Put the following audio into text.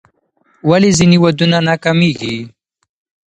ولې ځینې ودونه ناکامیږي؟